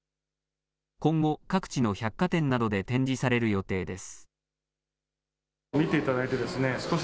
今後、各地の百貨店などで展示される予定です。